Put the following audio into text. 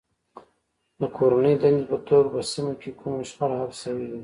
د کورنۍ دندې په توګه که په سیمه کې کومه شخړه حل شوې وي.